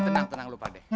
aduh coba tenang lu pada